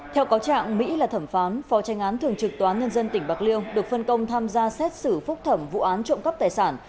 theo cáo trạng mỹ là thẩm phán phó tranh án thường trực tòa án nhân dân tỉnh bạc liêu được phân công tham gia xét xử phúc thẩm vụ án trộm cắp tài sản